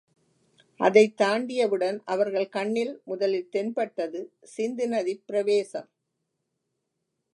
அதைத் தாண்டியவுடன் அவர்கள் கண்ணில் முதலில் தென்பட்டது சிந்துநதிப் பிரவேசம்.